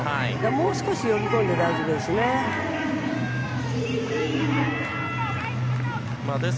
もう少し呼び込んで大丈夫です。